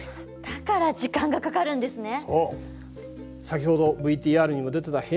だから時間がかかるんですね。